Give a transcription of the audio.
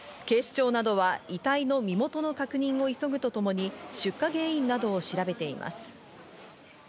警視庁などは遺体の身元の確認を急ぐとともに、出火原因などを調べています。